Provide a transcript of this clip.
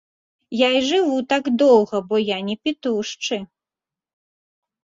Я і жыву так доўга, бо я не пітушчы.